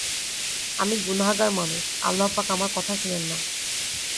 আমি গুনাহগার মানুষ, আল্লাহপাক আমার কথা শুনেন না।